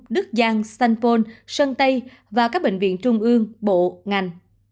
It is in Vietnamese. đức giang stamphol sơn tây và các bệnh viện trung ương bộ ngành